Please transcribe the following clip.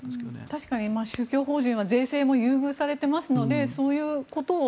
確かに宗教法人は税制も優遇されていますのでそういうことを。